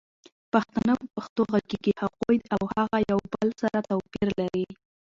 پښتانه په پښتو غږيږي هغوي او هغه يو بل سره توپير لري